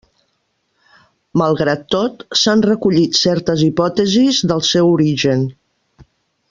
Malgrat tot s'han recollit certes hipòtesis del seu origen.